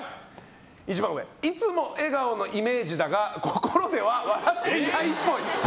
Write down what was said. いつも笑顔のイメージだが心では笑っていないっぽい。